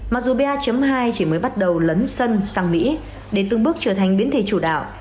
mặc dù ba hai chỉ mới bắt đầu lấn sân sang mỹ để từng bước trở thành biến thể chủ đạo